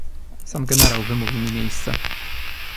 "Sam generał wymówił mi miejsce."